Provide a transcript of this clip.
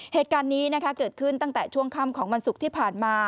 เหตุการณ์นี้เกิดขึ้นตั้งแต่ช่วงค่ำของวันศุกร์ที่ผ่านมา